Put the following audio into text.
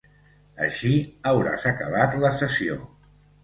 Així hauràs acabat la sessió.